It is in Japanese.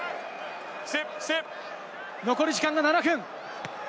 残り時間が７分。